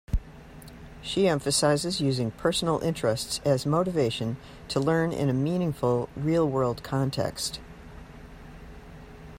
She emphasizes using personal interests as motivation to learn in a meaningful, real-world context.